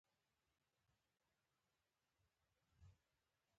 په دې خاطر چې موږ به ډېری وختونه پر عمومي لار تګ راتګ کاوه.